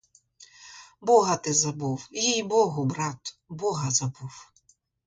Бога ти забув, їй-богу, брат, бога забув.